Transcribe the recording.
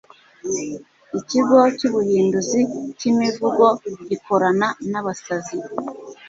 ikigo cy'ubuhinduzi cy'imivugo gikorana n'abasizi